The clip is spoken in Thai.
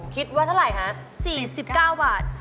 คิดว่าเท่าไหร่คะ๔๙บาท